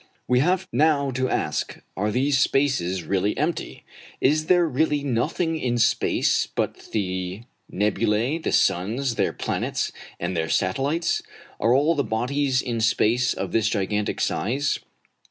We have now to ask, Are these spaces really empty? Is there really nothing in space but the nebulæ, the suns, their planets, and their satellites? Are all the bodies in space of this gigantic size?